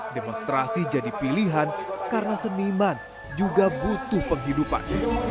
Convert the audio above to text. demonstrasi jadi pilihan karena seniman juga butuh penghidupan